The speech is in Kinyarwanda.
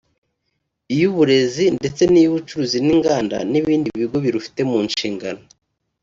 iy’Uburezi ndetse n’iy’Ubucuruzi n’Inganda n’ibindi bigo birufite mu nshingano